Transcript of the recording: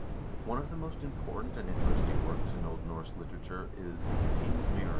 One of the most important and interesting works in Old Norse literature is "The King's Mirror" (O.